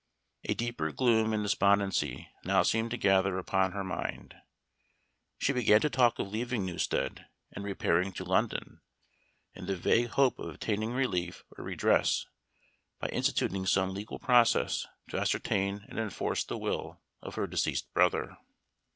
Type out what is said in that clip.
A deeper gloom and despondency now seemed to gather upon her mind. She began to talk of leaving Newstead, and repairing to London, in the vague hope of obtaining relief or redress by instituting some legal process to ascertain and enforce the will of her deceased brother.